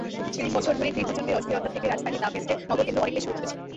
তিন বছর ধরে গৃহযুদ্ধের অস্থিরতা থেকে রাজধানী দামেস্কের নগর কেন্দ্র অনেকটাই সুরক্ষিত ছিল।